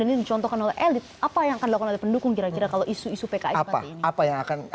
dan ini dicontohkan oleh elit apa yang akan dilakukan oleh pendukung kira kira kalau isu isu pki seperti ini